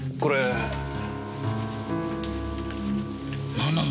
何なの？